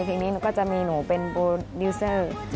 เพลงนี้หนูก็จะมีหนูเป็นโปรดิวเซอร์